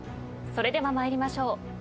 それでは参りましょう。